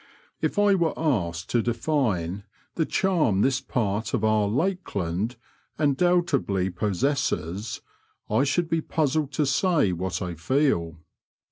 If I were asked to define the charm this part of our '' lakeland " undoubtedly possesses, I should be puzzled to say what I feel.